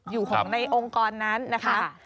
อยู่ของในองค์กรนั้นนะคะ